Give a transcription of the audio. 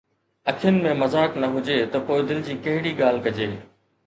اکين ۾ مذاق نه هجي ته پوءِ دل جي ڪهڙي ڳالهه ڪجي